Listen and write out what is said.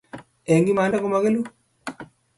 Eng imanda magelun